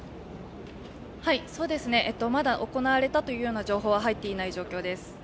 まだ行われたという情報は入っていない状況です。